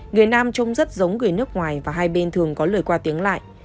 người nam trông rất giống người nước ngoài và hai bên thường có lời qua tiếng lại